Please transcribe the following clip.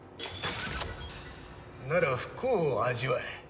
なら不幸を味わえ。